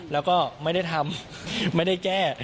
แล้วก็ไม่ได้ทำไม่ได้แก้